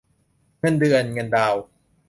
เงินเดือนเงินดาว